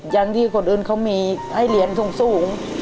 อย่างที่คนอื่นเขามีให้เรียนสูง